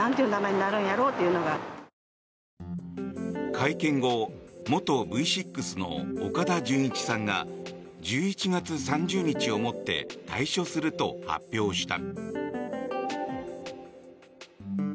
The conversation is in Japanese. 会見後元Ｖ６の岡田准一さんが１１月３０日をもって退所すると発表した。